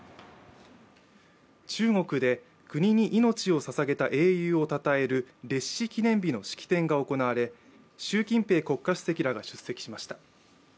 中国で国に命をささげた英雄をたたえる烈士記念日の式典が行われ習近平国家主席らが出席しました。